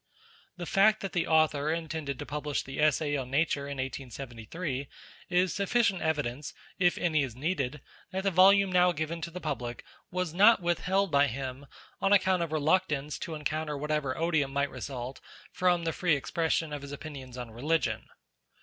The fact that the Author intended to publish the Essay on Nature in 1873 is sufficient evidence, if any is needed, that the volume now given to the public was not withheld by him on account of reluctance to encounter whatever odium might result from the free expression of his opinions on religion.